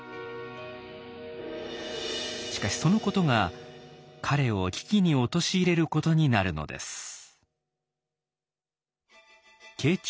しかしそのことが彼を危機に陥れることになるのです。